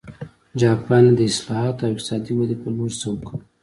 جاپان یې د اصلاحاتو او اقتصادي ودې په لور سوق کړ.